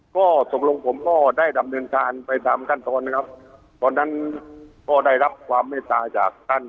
ก็ตกลงผมก็ได้ดำเนินการไปตามขั้นตอนนะครับตอนนั้นก็ได้รับความเมตตาจากท่าน